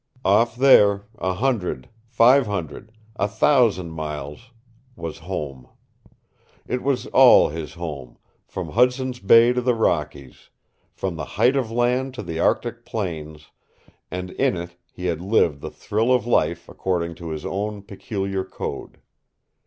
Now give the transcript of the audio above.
Off there, a hundred, five hundred, a thousand miles was home. It was ALL his home, from Hudson's Bay to the Rockies, from the Height of Land to the Arctic plains, and in it he had lived the thrill of life according to his own peculiar code.